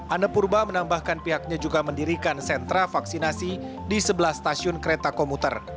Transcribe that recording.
anne purba menambahkan pihaknya juga mendirikan sentra vaksinasi di sebelah stasiun kereta komuter